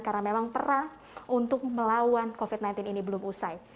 karena memang perang untuk melawan covid sembilan belas ini belum usai